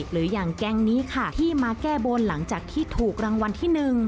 หรืออย่างแก๊งนี้ค่ะที่มาแก้บนหลังจากที่ถูกรางวัลที่๑